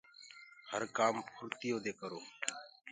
هر ڪآم ڦُڙتيو دي ڪرو۔